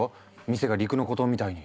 店が陸の孤島みたいに。